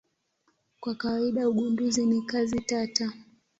Kwa kawaida ugunduzi ni kazi tata.